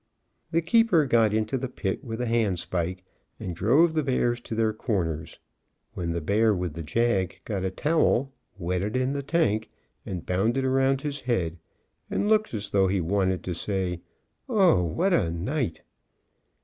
The keeper got into the pit with a handspike, and drove the bears to their corners, when the bear with the jag got a towel, wet it in the tank, and bound it around his head, and looked as though he wanted to say, "O, what a night!"